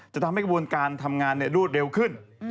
จะทำให้กระบวนการทำงานรวดเร็วขึ้น